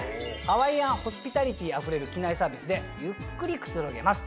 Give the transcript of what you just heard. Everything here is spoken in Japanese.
ハワイアンホスピタリティあふれる機内サービスでゆっくりくつろげます。